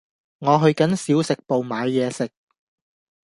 我去緊小食部買嘢食